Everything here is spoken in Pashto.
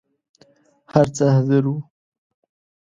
هر څه حاضر وو.